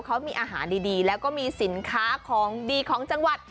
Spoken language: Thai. เขามีอาหารดีแล้วก็มีสินค้าของดีของจังหวัด